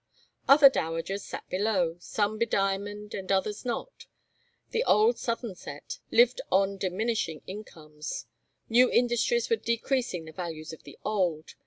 Other dowagers sat below, some bediamonded and others not: the "old Southern Set" lived on diminishing incomes; new industries were decreasing the values of the old.